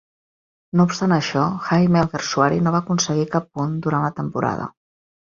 No obstant això, Jaime Alguersuari no va aconseguir cap punt durant la temporada.